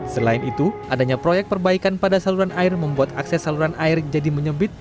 selain itu adanya proyek perbaikan pada saluran air membuat akses saluran air jadi menyempit